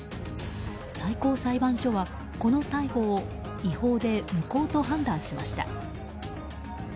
最高裁判所は、この逮捕を違法で無効と判断しました。